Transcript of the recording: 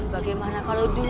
bagaimana kalau dua